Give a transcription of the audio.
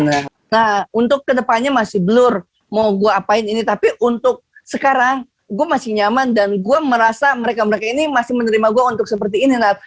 nah untuk kedepannya masih blur mau gue apain ini tapi untuk sekarang gue masih nyaman dan gue merasa mereka mereka ini masih menerima gue untuk seperti ini nat